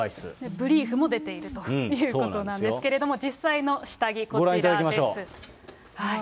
ブリーフも出ているということなんですけども、実際の下着、ご覧いただきましょう。